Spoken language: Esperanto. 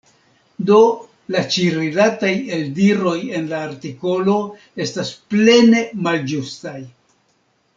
Do la ĉi-rilataj eldiroj en la artikolo estas plene malĝustaj.